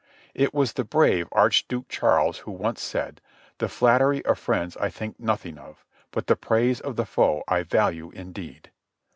It was the brave Archduke Charles who once said : "The flat tery of friends I think nothing of; but the praise of the foe I value indeed."